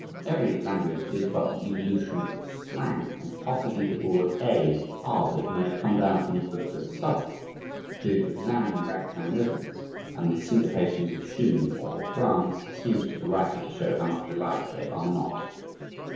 Every language is but the evolution of slang, and possibly the broad "A" in Harvard may have come down from the "butcher of Southwark." To examine ragtime rhythms and the syncopations of Schumann or of Brahms seems to the writer to show how much alike they are not.